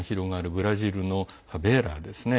ブラジルのファベーラですね。